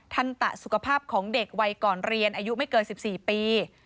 ทันตะสุขภาพของเด็กวัยก่อนเรียนอายุไม่เกิน๑๔ปี